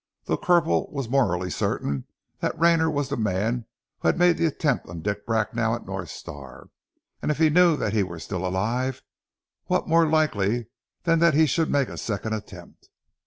The corporal was morally certain that Rayner was the man who had made the attempt on Dick Bracknell at North Star; and if he knew that he were still alive, what more likely than that he should make a second attempt?